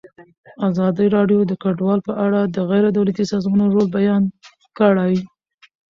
ازادي راډیو د کډوال په اړه د غیر دولتي سازمانونو رول بیان کړی.